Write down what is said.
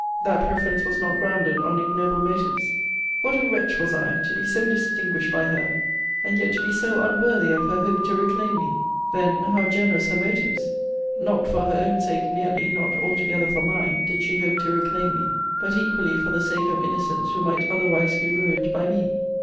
'That preference was not grounded on ignoble motives.' What a wretch was I, to be so distinguished by her, and yet to be so unworthy of her hope to reclaim me! Then, how generous her motives! Not for her own sake merely, not altogether for mine, did she hope to reclaim me; but equally for the sake of innocents who might otherwise be ruined by me.